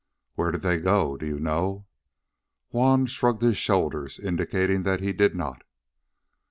"Where did they go? Do you know?" Juan shrugged his shoulders, indicating that he did not.